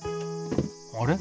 あれ？